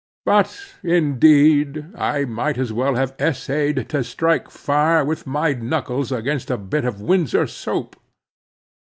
But indeed I might as well have essayed to strike fire with my knuckles against a bit of Windsor soap.